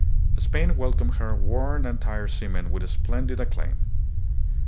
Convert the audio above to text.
Spain welcomed her worn and tired seamen with splendid acclaim.